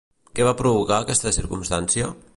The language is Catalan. Què va provocar aquesta circumstància?